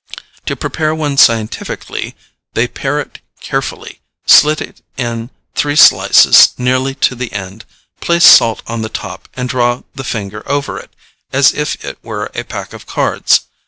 To prepare one scientifically they pare it carefully, slit it in three slices nearly to the end, place salt on the top, and draw the finger over it, as if it were a pack of cards.